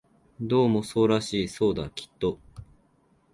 どうもそうらしい、そうだ、きっと